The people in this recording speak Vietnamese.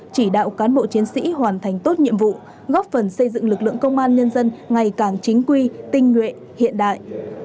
chỉ đạo cán bộ chiến sĩ hoàn thành tốt nhiệm vụ góp phần xây dựng lực lượng công an nhân dân ngày càng chính quy tinh nguyện hiện đại